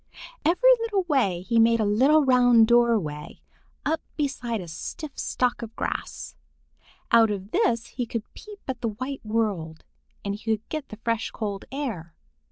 Every little way he made a little round doorway up beside a stiff stalk of grass. Out of this he could peep at the white world, and he could get the fresh cold air.